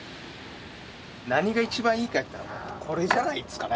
何が一番いいかっていったらこれじゃないですかね。